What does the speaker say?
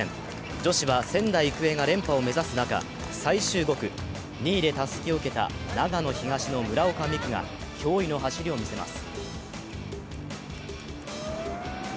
女子は仙台育英が連覇を目指す中、最終５区、２位でたすきを受けた長野東の村岡美玖が驚異の走りを見せます。